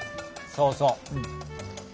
そうそう。